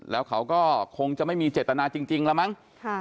แล้วเขาก็คงจะไม่มีเจตนาจริงแล้วมั้ง